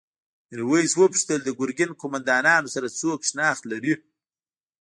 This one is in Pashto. میرويس وپوښتل د ګرګین قوماندانانو سره څوک شناخت لري؟